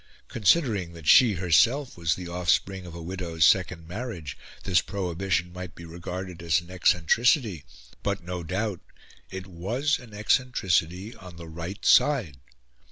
Considering that she herself was the offspring of a widow's second marriage, this prohibition might be regarded as an eccentricity; but, no doubt, it was an eccentricity on the right side.